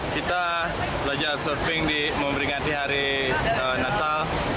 kita belajar serving di memberi ganti hari natal